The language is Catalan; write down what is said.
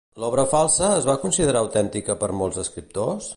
L'obra falsa es va considerar autèntica per molts escriptors?